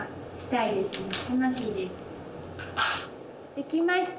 できました。